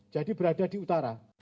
jadi berada di utara